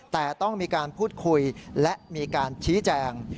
แต่ต้องมีการพูดคุยและมีการชี้แจง